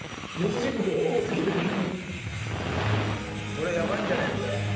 「これやばいんじゃねえの？」